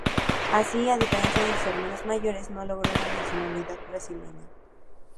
Así, a diferencia de sus hermanos mayores, no logró la nacionalidad brasileña.